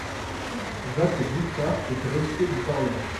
Jacques Bouchart est greffier du parlement.